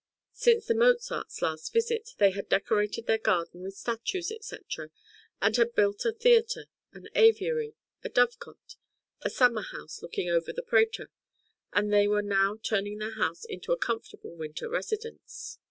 Since the Mozarts' last visit, they had decorated their garden with statues, &c., and had built a theatre, an aviary, a dovecot, a summer house looking over the Prater, and they were now turning their house into a comfortable winter residence.